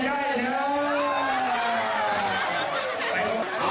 ต้องก็เข้าอีกคืน